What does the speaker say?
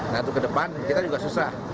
nanti ke depan kita juga susah